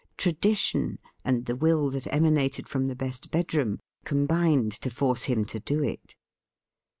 Tradition, and the will that ema nated from the best bedroom, combined to force him to do it.